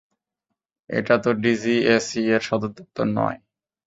এটাতো ডিজিএসই এর সদরদপ্তর নয়।